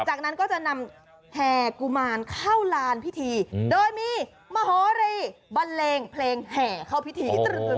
จากนั้นก็จะนำแห่กุมารเข้าลานพิธีโดยมีมโหรีบันเลงเพลงแห่เข้าพิธี